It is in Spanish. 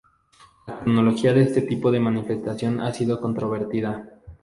La cronología de este tipo de manifestaciones ha sido controvertida.